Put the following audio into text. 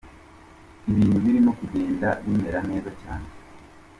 Ibintu birimo kugenda bimera neza cyane.